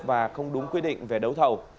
và không đúng quy định về đấu thầu